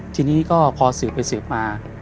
ทีนี้ก็พอสืบไปสืบมา